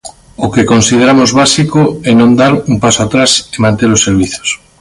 O que consideramos básico é non dar un paso atrás e manter os servizos.